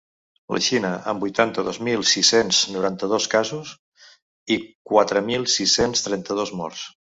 La Xina, amb vuitanta-dos mil sis-cents noranta-dos casos i quatre mil sis-cents trenta-dos morts.